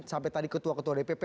sampai tadi ketua ketua dpp